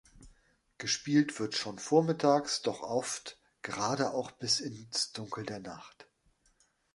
Gespielt wird schon vormittags doch oft gerade auch bis ins Dunkel der Nacht.